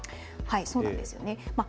そうなんですよね。